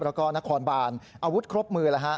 แล้วก็นครบานอาวุธครบมือแล้วฮะ